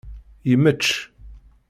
Yemmečč.